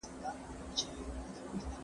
چي پیدا سوه د ماښام ډوډۍ حلاله